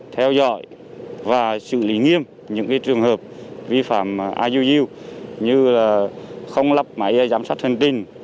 theo dõi và xử lý nghiêm những trường hợp vi phạm iuu như không lập máy giám sát hình tin